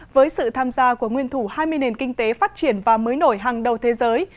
với sự tham gia của nguyên thủ hai mươi nền kinh tế phát triển và mới nổi hàng đầu thế giới